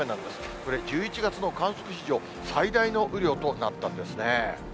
これ、１１月の観測史上最大の雨量となったんですね。